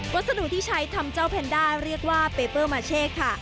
วัสดุที่ใช้ทำเจ้าแพนด้าเรียกว่าเปเปอร์มาเช่ค่ะ